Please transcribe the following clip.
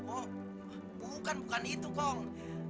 oh bukan bukan itu kok